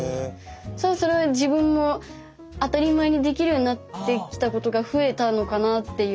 それは自分も当たり前にできるようになってきたことが増えたのかなっていう。